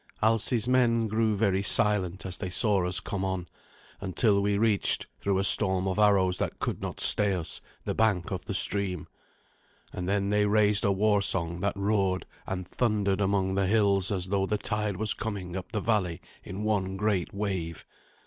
Alsi's men grew very silent as they saw us come on, until we reached, through a storm of arrows that could not stay us, the bank of the stream, and then they raised a war song that roared and thundered among the hills as though the tide was coming up the valley in one great wave.